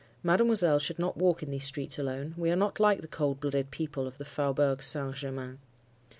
Mademoiselle should not walk in these streets alone. We are not like the cold blooded people of the Faubourg Saint Germain.